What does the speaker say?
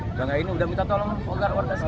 udah gak ini udah minta tolong